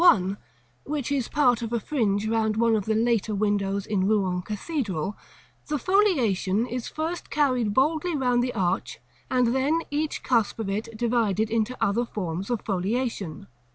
1, which is part of a fringe round one of the later windows in Rouen Cathedral, the foliation is first carried boldly round the arch, and then each cusp of it divided into other forms of foliation.